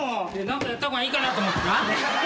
何かやった方がいいかなと思ってな。